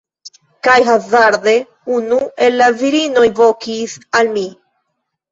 Kaj hazarde unu el la virinoj vokis al mi